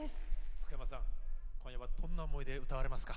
福山さん、今夜はどんな思いで歌われますか？